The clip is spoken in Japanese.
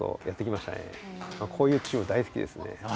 こういうチーム大好きですね。